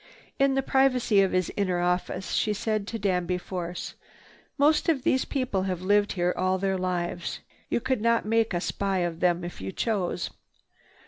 In the privacy of his inner office, she said to Danby Force, "Most of these people have lived here all their lives. You could not make a spy of them if you chose.